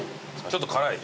ちょっと辛い？